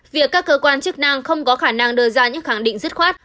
việc các cơ quan chức năng không có khả năng đưa ra những khẳng định dứt khoát